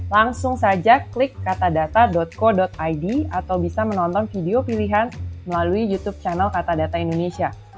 langsung saja klik katadata co id atau bisa menonton video pilihan melalui youtube channel kata data indonesia